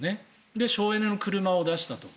それで省エネの車を出したと。